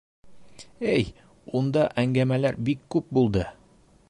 — Эй, унда әңгәмәләр бик күп булды.